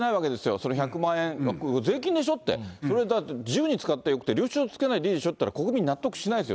その１００万円の、税金でしょって、それだって、自由に使ってよくて領収書つけなくていいんでしょって言っても、国民納得しないですよ。